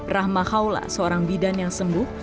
rahma haula seorang bidan yang sembuh